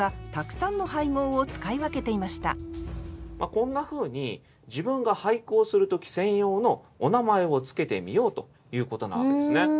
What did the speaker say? こんなふうに自分が俳句をする時専用のお名前を付けてみようということなわけですね。